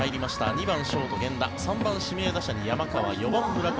２番、ショート源田３番、指名打者に山川４番、村上